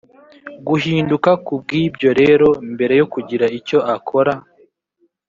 guhinduka ku bw ibyo rero mbere yo kugira icyo akora